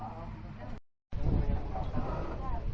สวัสดีครับ